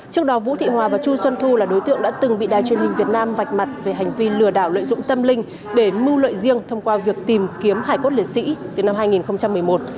trước đó vũ thị hòa và chu xuân thu là đối tượng đã từng bị đài truyền hình việt nam vạch mặt về hành vi lừa đảo lợi dụng tâm linh để mưu lợi riêng thông qua việc tìm kiếm hải cốt liệt sĩ từ năm hai nghìn một mươi một